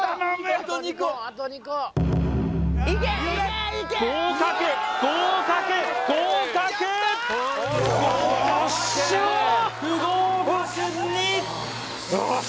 あと２個合格合格合格合格５不合格２よし！